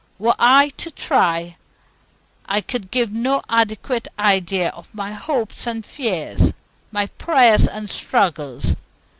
Were I to try I could give no adequate idea of my hopes and fears, my prayers and struggles.